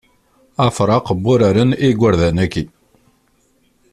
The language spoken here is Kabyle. Afraq n wuraren i yigerdan-agi.